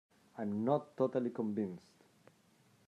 I'm not totally convinced!